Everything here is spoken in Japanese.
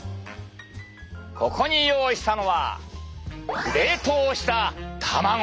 ここに用意したのは冷凍した卵。